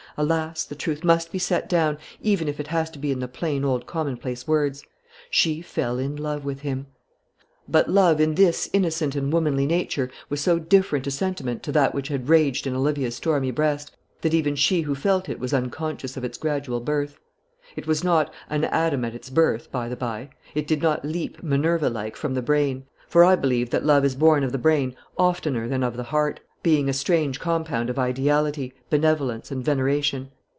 Alas! the truth must be set down, even if it has to be in the plain old commonplace words. She fell in love with him. But love in this innocent and womanly nature was so different a sentiment to that which had raged in Olivia's stormy breast, that even she who felt it was unconscious of its gradual birth. It was not "an Adam at its birth," by the by. It did not leap, Minerva like, from the brain; for I believe that love is born of the brain oftener than of the heart, being a strange compound of ideality, benevolence, and veneration.